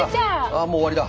あっもう終わりだ。